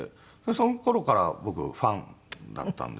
その頃から僕ファンだったんですけど。